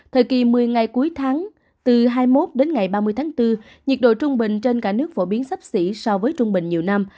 thời kỳ một mươi ngày cuối tháng từ hai mươi một đến ngày ba mươi tháng bốn nhiệt độ trung bình trên cả nước phổ biến sắp xỉ so với trung bình nhiều năm